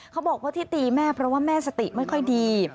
เขาบอกว่าที่ตีแม่เพราะว่าแม่สติไม่ค่อยดี